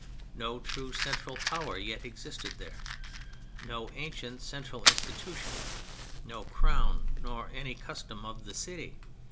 No true central power yet existed there ; no ancient central institution, no Crown nor any Custom of the City.